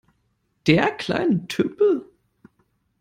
Der kleine Tümpel?